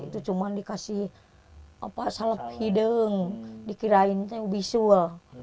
itu cuma dikasih salep hidung dikirain visual